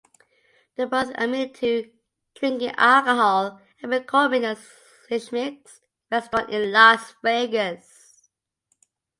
They both admitted to drinking alcohol at McCormick and Schmick's restaurant in Las Vegas.